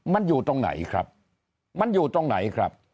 มันอยู่ตรงไหนครับมันอยู่ตรงไหนครับ